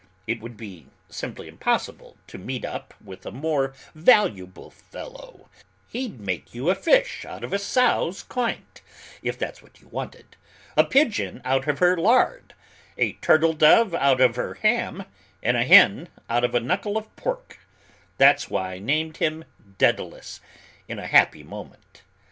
It would be simply impossible to meet up with a more valuable fellow: he'd make you a fish out of a sow's coynte, if that's what you wanted, a pigeon out of her lard, a turtle dove out of her ham, and a hen out of a knuckle of pork: that's why I named him Daedalus, in a happy moment.